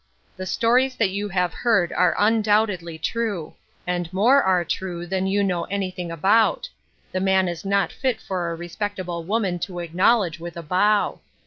The stories that you have heard are undoubtedly true, and more are true than you know anything about. The man is not fit for a respectable woman to acknowledge with a bow.